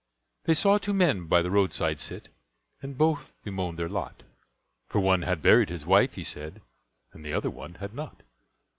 They saw two men by the roadside sit, And both bemoaned their lot; For one had buried his wife, he said, And the other one had not.